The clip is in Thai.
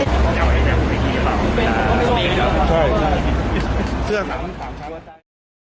ใช่ใช่เสื้อสามสามชั้น